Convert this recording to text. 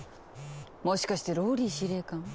もしかしてＲＯＬＬＹ司令官。